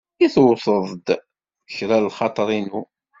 I tewted-d kra deg lxaḍer-inu?